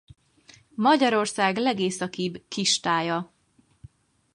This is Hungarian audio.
Magyarország legészakibb kistája.